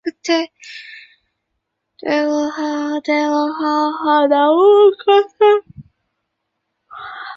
介贵山蹄盖蕨为蹄盖蕨科蹄盖蕨属下的一个变种。